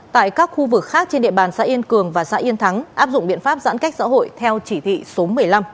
tại các khu vực khác trên địa bàn xã yên cường và xã yên thắng áp dụng biện pháp giãn cách xã hội theo chỉ thị số một mươi năm